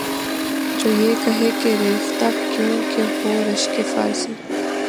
جو یہ کہے کہ ’’ ریختہ کیوں کہ ہو رشکِ فارسی؟‘‘